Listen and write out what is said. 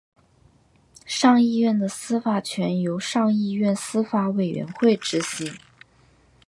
上议院的司法权由上议院司法委员会执行。